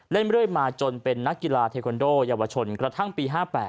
เรื่อยมาจนเป็นนักกีฬาเทควันโดเยาวชนกระทั่งปี๕๘